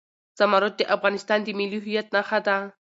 زمرد د افغانستان د ملي هویت نښه ده.